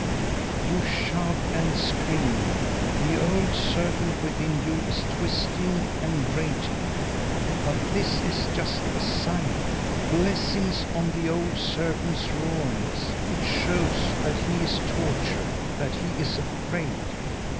"You shout and scream; the old serpent within you is twisting and raging. But that is just the sign. Blessings on the old serpent's roarings! It shows that he is tortured, that he is afraid.